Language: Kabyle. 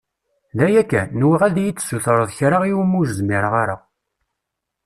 D aya kan, nwiɣ ad iyi-d-tessutreḍ kra iwimi ur zmireɣ ara.